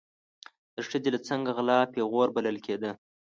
د ښځې له څنګه غلا پیغور بلل کېده.